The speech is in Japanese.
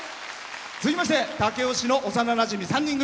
続きまして武雄市の幼なじみ３人組。